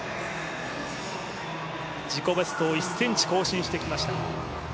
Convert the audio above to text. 自己ベストを１ｃｍ更新してきました。